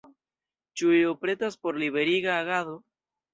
Ĉu iu pretas por liberiga agado?